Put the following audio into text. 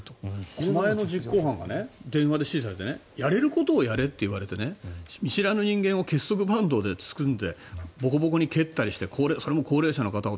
狛江の実行犯が電話で指示されてやれることをやれと言われて見知らぬ人間を結束バンドで結んでボコボコに蹴ったりしてそれも高齢者の方を。